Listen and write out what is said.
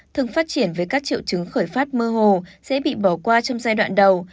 thường phát triển với các triệu chứng khởi phát mơ hồ sẽ bị bỏ qua trong giai đoạn đầu